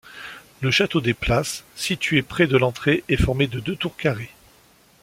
Le château des Plas, situé près de l'entrée est formé de deux tours carrées.